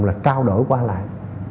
là trao đổi qua lại